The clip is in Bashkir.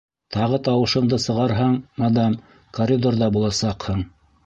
Тағы тауышыңды сығарһаң, мадам, коридорҙа буласаҡһың!